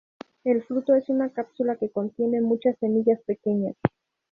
El fruto es una cápsula que contiene muchas semillas pequeñas.